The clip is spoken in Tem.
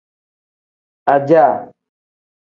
Ajaa.